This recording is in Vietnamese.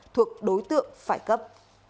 thuộc đối tượng phải cấp